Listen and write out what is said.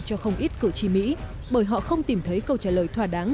cho không ít cử tri mỹ bởi họ không tìm thấy câu trả lời thỏa đáng